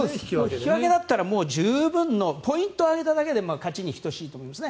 引き分けだったら十分のポイントを挙げただけで勝ちに等しいと思います。